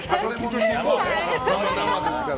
生ですから。